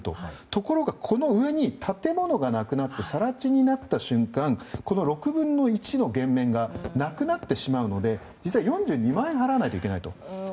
ところがこの上に建物がなくなって更地になった瞬間６分の１の減免がなくなってしまうので４２万円を払わないといけない。